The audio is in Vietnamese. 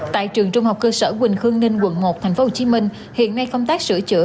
tại trường trung học cơ sở quỳnh khương ninh quận một tp hcm hiện nay công tác sửa chữa